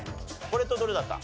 これとどれだった？